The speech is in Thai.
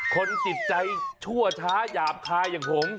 คนจิตใจชั่วช้าหยาบคายอย่างผม